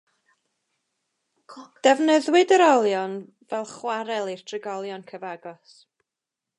Defnyddiwyd yr olion fel chwarel i'r trigolion cyfagos.